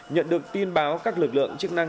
nhận được tin báo các lực lượng chức năng